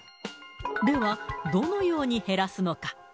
では、どのように減らすのか。